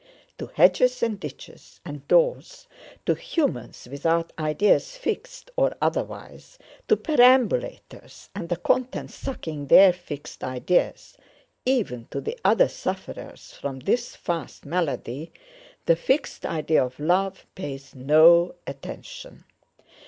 To hedges and ditches, and doors, to humans without ideas fixed or otherwise, to perambulators and the contents sucking their fixed ideas, even to the other sufferers from this fast malady—the fixed idea of love pays no attention.